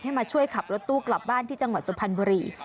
มาช่วยขับรถตู้กลับบ้านที่จังหวัดสุพรรณบุรี